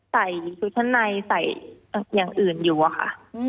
ใส่ชุดชั้นในใส่อย่างอื่นอยู่อะค่ะ